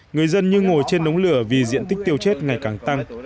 người dân như ngồi trên đống lửa vì diện tích tiêu chết ngày càng tăng